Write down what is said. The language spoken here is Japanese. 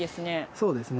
そうですね。